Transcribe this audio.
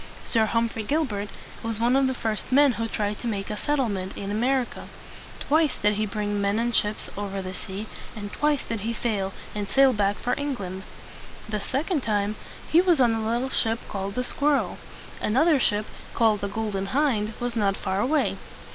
Sir Hum phrey Gilbert was one of the first men who tried to make a set tle ment in A mer i ca. Twice did he bring men and ships over the sea, and twice did he fail, and sail back for England. The second time, he was on a little ship called the "Squirrel." Another ship, called the "Golden Hind," was not far away.